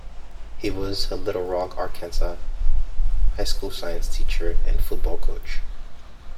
He was a Little Rock, Arkansas, high school science teacher and football coach.